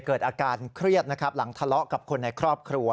เกิดอาการเครียดนะครับหลังทะเลาะกับคนในครอบครัว